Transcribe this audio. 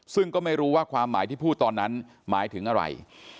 ซึ่งก็ไม่รู้ว่าความหมายที่พูดตอนนั้นหมายถึงอะไร